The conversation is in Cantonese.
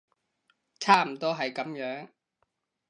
差唔多係噉樣